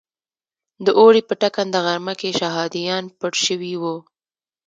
د اوړي په ټکنده غرمه کې شهادیان پټ شوي وو.